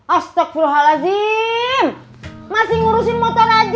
astaghfirullahaladzim masih ngurusin motor aja